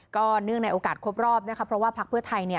เนื่องในโอกาสครบรอบนะคะเพราะว่าพักเพื่อไทย